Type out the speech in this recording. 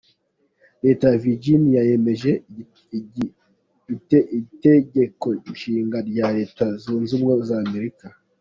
Leta ya Virginia yemeje itegekonshinga rya Leta Zunze Ubumwe z’Amerika.